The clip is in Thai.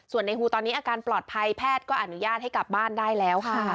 ส่วนในฮูตอนนี้อาการปลอดภัยแพทย์ก็อนุญาตให้กลับบ้านได้แล้วค่ะ